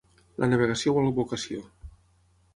La navegació vol vocació.